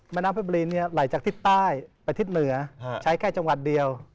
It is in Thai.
น้ำเพชรบุรีไหลจากทิศใต้ไปทิศเหนือใช้แค่จังหวัดเดียว